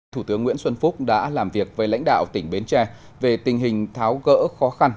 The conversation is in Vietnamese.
thủ tướng nguyễn xuân phúc đã làm việc với lãnh đạo tỉnh bến tre về tình hình tháo gỡ khó khăn